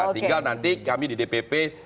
tinggal nanti kami di dpp